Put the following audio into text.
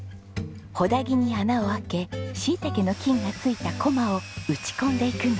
ホダ木に穴を開けシイタケの菌が付いたコマを打ち込んでいくんです。